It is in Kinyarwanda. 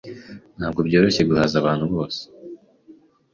Ntabwo byoroshye guhaza abantu bose.